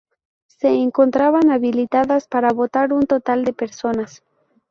Se encontraban habilitadas para votar un total de personas.